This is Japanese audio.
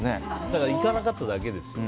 行かなかっただけですよ。